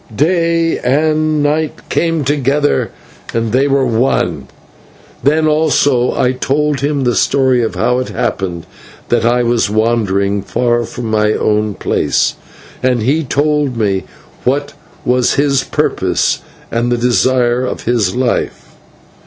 Day and Night came together and they were one. Then, also, I told him the story of how it happened that I was wandering far from my own place, and he told me what was his purpose and the desire of his life.